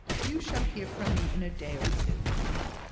You shall hear from me in a day or two."